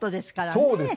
そうです。